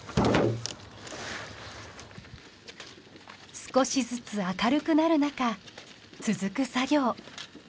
少しずつ明るくなるなか続く作業。